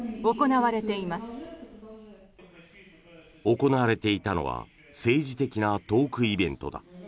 行われていたのは政治的なトークイベントだ。